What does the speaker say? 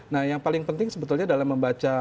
nah yang paling penting sebetulnya dalam membaca